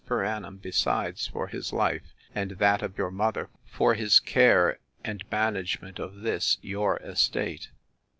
per annum, besides, for his life, and that of your mother, for his care and management of this your estate.